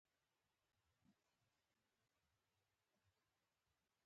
انسان د فشاري سینسرونو په واسطه فشار حس کوي.